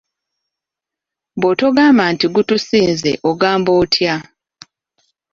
Bw'otogamba nti gutusinze ogamba otya?